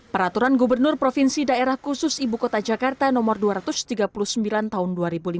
peraturan gubernur provinsi daerah khusus ibu kota jakarta nomor dua ratus tiga puluh sembilan tahun dua ribu lima belas